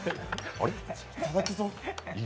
いただくぞ。